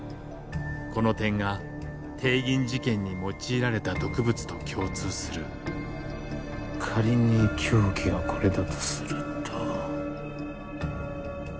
この点が帝銀事件に用いられた毒物と共通する仮に凶器がこれだとすると。